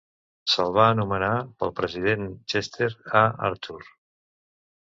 Se'l va anomenar pel president Chester A. Arthur.